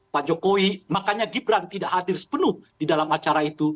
pak jokowi makanya gibran tidak hadir sepenuh di dalam acara itu